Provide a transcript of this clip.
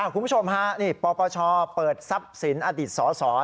คุณผู้ชมค่ะปภภเปิดทรัพย์ศีลอดีตศ